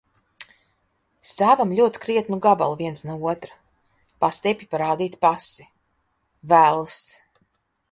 Stāvam ļoti krietnu gabalu viens no otra, pastiepju parādīt pasi. Vells!